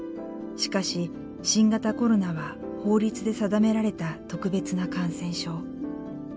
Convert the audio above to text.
しかし新型コロナは法律で定められた特別な感染症。